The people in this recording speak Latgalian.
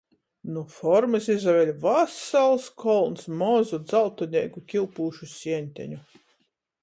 Nu formys izaveļ vasals kolns mozu dzaltoneigu kiupūšu sieņteņu.